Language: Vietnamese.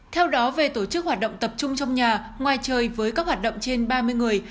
theo đó về tổ chức hoạt động tập trung trong nhà ngoài trời với các hoạt động trên ba mươi người